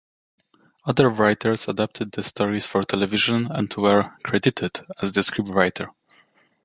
Other writers adapted the stories for television and were credited as the scriptwriter.